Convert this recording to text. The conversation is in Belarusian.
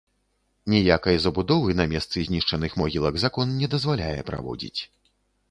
Ніякай забудовы на месцы знішчаных могілак закон не дазваляе праводзіць.